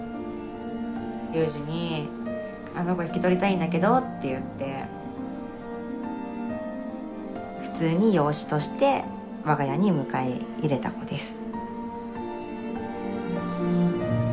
雄次に「あの子引き取りたいんだけど」って言って普通に養子として我が家に迎え入れた子です。